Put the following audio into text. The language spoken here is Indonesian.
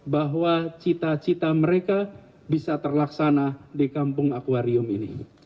bahwa cita cita mereka bisa terlaksana di kampung akwarium ini